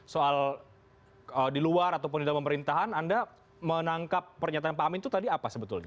soal di luar ataupun di dalam pemerintahan anda menangkap pernyataan pak amin itu tadi apa sebetulnya